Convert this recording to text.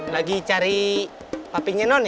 lagi cari papinya non ya